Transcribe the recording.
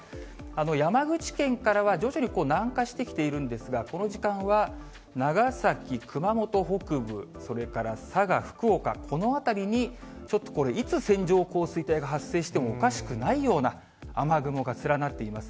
山口県からは徐々に南下してきているんですが、この時間は長崎、熊本北部、それから佐賀、福岡、この辺りにちょっとこれ、いつ線状降水帯が発生してもおかしくないような雨雲が連なっています。